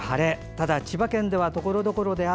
ただ、千葉県ではところどころで雨。